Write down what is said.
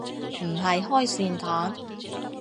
唔係開善堂